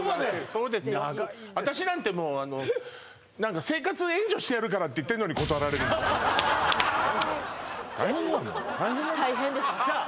そうです私なんてもうあの「生活援助してやるから」って言ってんのに大変なのよ大変大変ですさあ